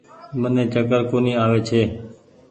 مني چڪر ڪونيٚ آوي ڇي۔